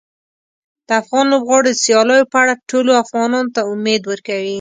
د افغان لوبغاړو د سیالیو په اړه ټولو افغانانو ته امید ورکوي.